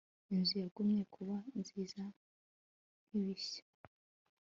inzu yagumye kuba nziza nkibishya